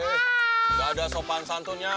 nggak ada sopan santunnya